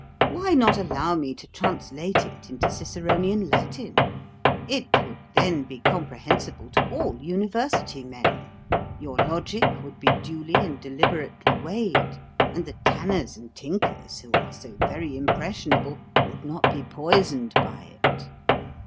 Why not allow me to translate it into Ciceronian Latin? It would then be comprehensible to all University men; your logic would be duly and deliberately weighed: and the tanners and tinkers, who are so very impressionable, would not be poisoned by it."